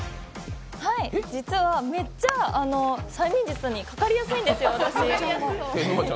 実はめっちゃ催眠術にかかりやすいんですよ、私。